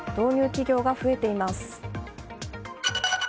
企業が増えています。